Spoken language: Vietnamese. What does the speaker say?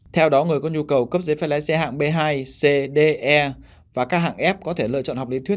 theo đó người có nhu cầu cấp dưới phép lái xe hạng b hai c d e và các hạng ép có thể lựa chọn học lý thuyết